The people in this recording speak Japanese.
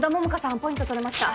アポイント取れました。